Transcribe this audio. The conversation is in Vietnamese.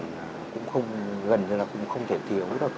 gần như là cũng không thể thiếu được